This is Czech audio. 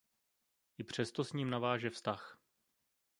I přesto s ním naváže vztah.